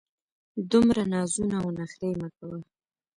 دومره نازونه او نخرې مه کوه!